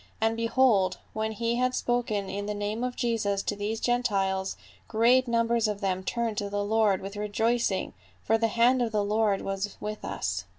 And behold, when we had spoken in the name of Jesus to these Gentiles, great numbers of them turned to the Lord with rejoicing, for the hand of the Lord was Avith us.